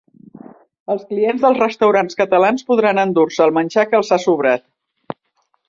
Els clients dels restaurants catalans podran endur-se el menjar que els ha sobrat